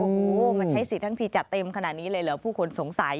โอ้โหมาใช้สิทธิ์ทั้งทีจัดเต็มขนาดนี้เลยเหรอผู้คนสงสัย